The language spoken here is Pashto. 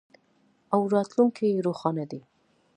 او راتلونکی یې روښانه دی.